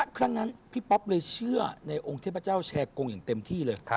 ครั้งนั้นพี่ป๊อปเลยเชื่อในองค์เทพเจ้าแชร์กงอย่างเต็มที่เลย